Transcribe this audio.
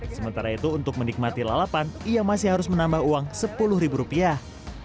sementara itu untuk menikmati lalapan ia masih harus menambah uang sepuluh ribu rupiah